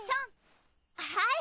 はい！